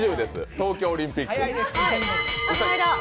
東京オリンピック。